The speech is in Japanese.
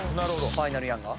ファイナルヤンガー。